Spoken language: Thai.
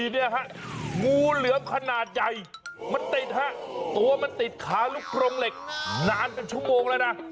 เนี่ยฮะงูเหลือมขนาดใหญ่มันติดฮะตัวมันติดขาลูกกรงเหล็กนานเป็นชั่วโมงแล้วนะ